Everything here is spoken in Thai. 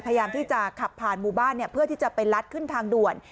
พยายามที่จะขับผ่านหมู่บ้านเพื่อที่จะไปลัดขึ้นทางด่วน